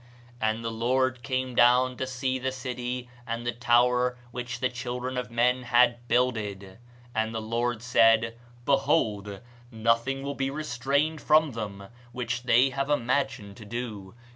"And the Lord came down to see the city and the tower which the children of men had builded. And the Lord said, Behold ... nothing will be restrained from them which they have imagined to do.